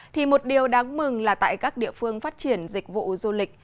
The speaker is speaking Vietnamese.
thì một điều đáng mừng là tại các địa phương phát triển dịch vụ du lịch